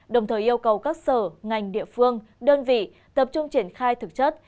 đồng thời yêu cầu các sở ngành địa phương đơn vị tập trung triển khai thực chất